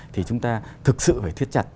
thì chúng ta thực sự phải thiết chặt